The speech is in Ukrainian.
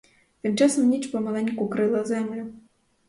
Тим часом ніч помаленьку крила землю.